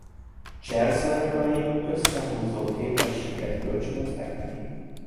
Cserzőanyagai összehúzó képességet kölcsönöznek neki.